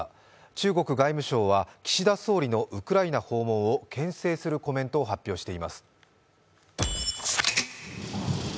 中国外務省は、岸田総理のウクライナ訪問をけん制するコメントを発表しています。